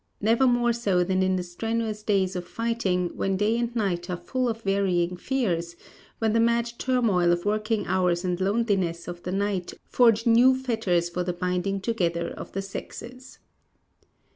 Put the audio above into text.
Never more so than in the strenuous days of fighting, when day and night are full of varying fears when the mad turmoil of working hours and loneliness of the night forge new fetters for the binding together of the sexes.